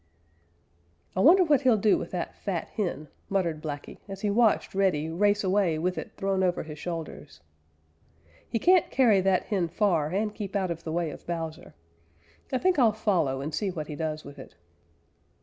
"I wonder what he'll do with that fat hen," muttered Blacky, as he watched Reddy race away with it thrown over his shoulders. "He can't carry that hen far and keep out of the way of Bowser. I think I'll follow and see what he does with it."